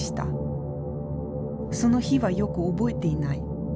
その日はよく覚えていない。